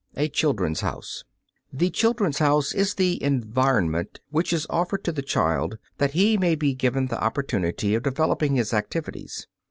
A "CHILDREN'S HOUSE" The "Children's House" is the environment which is offered to the child that he may be given the opportunity of developing his activities.